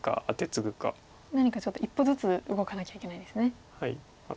何かちょっと一歩ずつ動かなきゃいけないんですね。